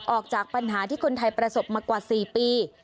ออกจากปัญหาที่คนไทยประสบมากว่า๔ปี